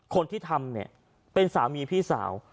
คนที่ทำเนี่ยเป็นสามีพี่สาว